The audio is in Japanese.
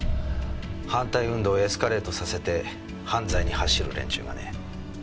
反対運動をエスカレートさせて犯罪に走る連中がね。